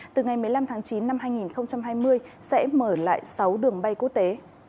từ ngày một mươi năm tháng chín năm hai nghìn hai mươi sẽ mở lại sáu đường bay quốc tế